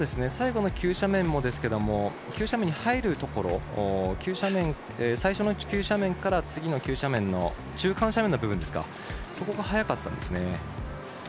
最後の急斜面もですけども急斜面に入るところ最初の急斜面から次の急斜面の中間斜面の部分そこが速かったんですね。